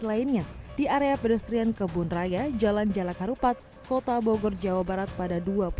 lainnya di area pedestrian kebun raya jalan jalak harupat kota bogor jawa barat pada dua puluh